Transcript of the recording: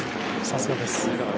さすがです。